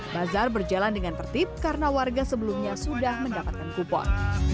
bazar berjalan dengan tertib karena warga sebelumnya sudah mendapatkan kupon